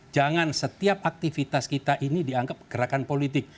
jangan setiap aktivitas kita ini dianggap gerakan politik